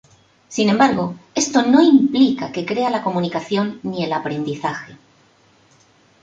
Sin embargo, esto no implica que crea la comunicación ni el aprendizaje.